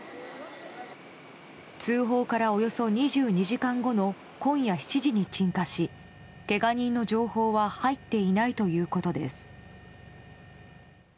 通報からおよそ２２時間後の今夜７時に鎮火しけが人の情報は入っていないということです。